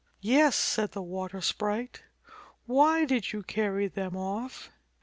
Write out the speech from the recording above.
; 'Yes," said the water sprite. "Why did you carry them off?"